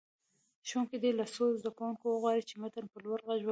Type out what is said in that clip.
ښوونکی دې له څو زده کوونکو وغواړي چې متن په لوړ غږ ولولي.